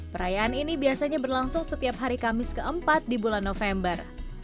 perayaan ini biasanya berlangsung setiap hari kamis keempat di bulan november